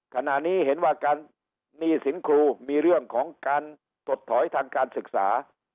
ขณะนี้เห็นว่าการหนี้สินครูมีเรื่องของการถดถอยทางการศึกษา